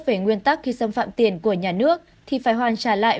về nguyên tắc khi xâm phạm tiền của nhà nước thì phải hoàn trả lại